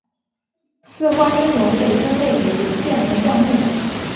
似花君龙被分类于剑龙下目。